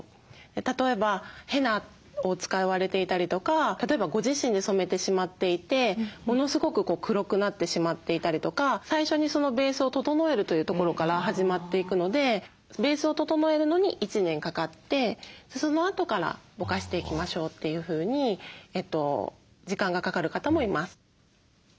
例えばヘナを使われていたりとか例えばご自身で染めてしまっていてものすごく黒くなってしまっていたりとか最初にベースを整えるというところから始まっていくのでベースを整えるのに１年かかってそのあとからぼかしていきましょうというふうに時間がかかる方もいます。